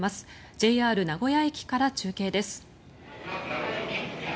ＪＲ名古屋駅から中継です。